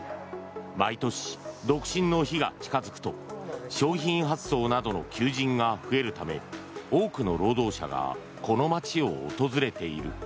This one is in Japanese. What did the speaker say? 毎年、独身の日が近付くと商品発送などの求人が増えるため多くの労働者がこの街を訪れている。